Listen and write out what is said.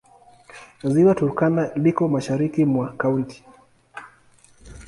Ziwa Turkana liko mashariki mwa kaunti.